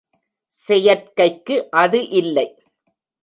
செயற்கைக்கு அது இல்லை.